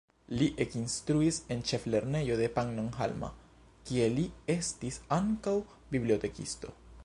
Li ekinstruis en ĉeflernejo de Pannonhalma, kie li estis ankaŭ bibliotekisto.